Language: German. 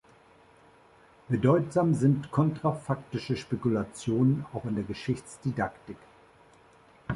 Bedeutsam sind kontrafaktische Spekulationen auch in der Geschichtsdidaktik.